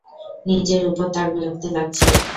নিজের ওপর তাঁর বিরক্তি লাগছে।